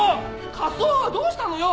仮装はどうしたのよ！？